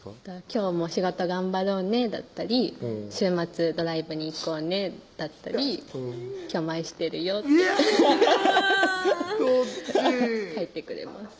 「今日も仕事頑張ろうね」だったり「週末ドライブに行こうね」だったり「今日も愛してるよ」っていやとっち書いてくれます